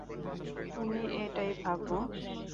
তুমি এটাই ভাবো।